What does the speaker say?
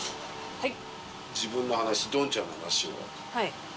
はい。